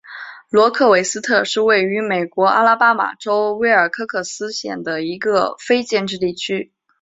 罗克韦斯特是位于美国阿拉巴马州威尔科克斯县的一个非建制地区。